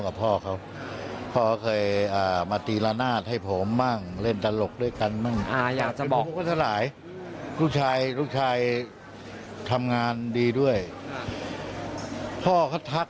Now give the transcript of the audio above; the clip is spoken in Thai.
เห็นมันเล่านะพ่อทัก